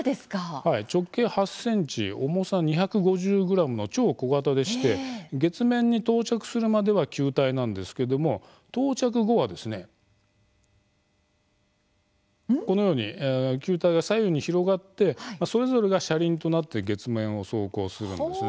はい、直径８ｃｍ重さ２５０ｇの超小型でして月面に到着するまでは球体なんですけれども到着後はこのように球体が左右に広がってそれぞれが車輪となって月面を走行するんですね。